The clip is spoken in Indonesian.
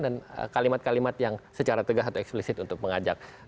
dan kalimat kalimat yang secara tegas atau eksplisit untuk mengajak